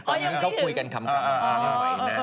ตอนนี้เขาคุยกันคำถามกันไวนะ